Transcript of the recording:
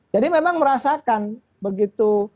jadi memang merasakan begitu